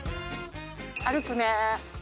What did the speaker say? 歩くね。